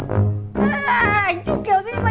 trông thế mà